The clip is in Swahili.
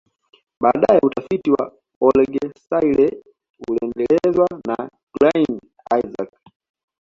Baadae utafiti wa Olorgesailie uliendelezwa na Glynn Isaac